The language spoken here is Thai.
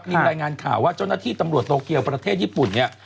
มีรายงานข่าวว่าเจ้าหน้าที่ตำรวจโตเกียวประเทศญี่ปุ่นเนี่ย